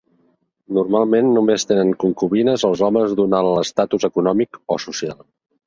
Normalment, només tenen concubines els homes d'un alt estatus econòmic o social.